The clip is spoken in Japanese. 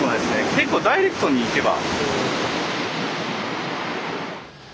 結構ダイレクトにいけば。